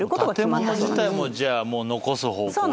建物自体も残す方向にした。